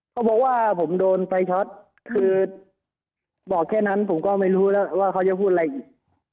เขาบอกว่าผมโดนไฟช็อตคือบอกแค่นั้นผมก็ไม่รู้แล้วว่าเขาจะพูดอะไรอีก